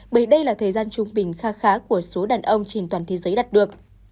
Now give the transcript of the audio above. bởi đây là thời gian trung bình khá khá của số đàn ông trên toàn thế giới đặt được